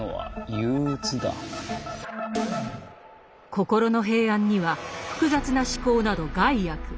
心の平安には複雑な思考など害悪。